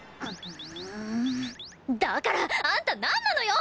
だからあんたなんなのよ！？